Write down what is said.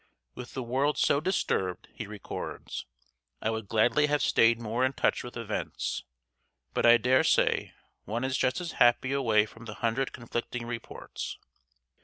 With the world so disturbed," he records, "I would gladly have stayed more in touch with events, but I dare say one is just as happy away from the hundred conflicting reports."